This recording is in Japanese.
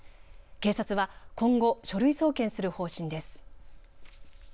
警察は今後、書類送検する方針です。